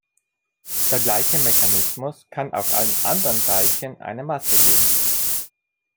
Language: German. Der gleiche Mechanismus kann auch allen anderen Teilchen eine Masse geben.